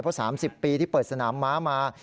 เพราะ๓๐ปีที่เปิดสนามม้ามา